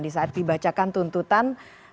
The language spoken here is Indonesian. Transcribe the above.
di saat dibacakan tuntutan